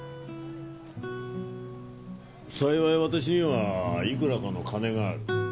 幸いわたしにはいくらかの金がある。